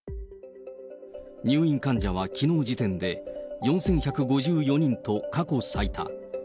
入院患者はきのう時点で４１５４人と過去最多。